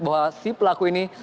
bahwa si pelaku ini